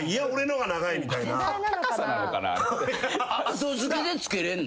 後付けでつけれんの？